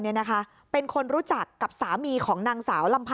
เนี่ยนะคะเป็นคนรู้จักกับสามีของนางสาวลำพา